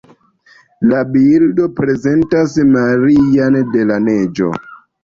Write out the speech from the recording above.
La bildo prezentas Marian de la Neĝo.